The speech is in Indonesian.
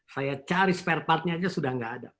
saya cari spare partnya saja sudah tidak ada